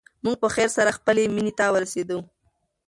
موږ په خیر سره خپلې مېنې ته ورسېدو.